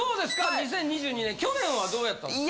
２０２２年去年はどうやったんですか？